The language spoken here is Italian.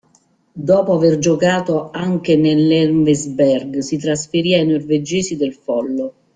Dopo aver giocato anche nell'Elversberg, si trasferì ai norvegesi del Follo.